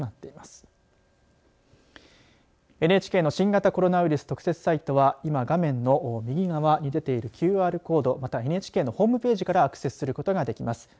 ＮＨＫの新型コロナウイルス特設サイトは今、画面の右側に出ているＱＲコードまたはＮＨＫのホームページからアクセスすることができます。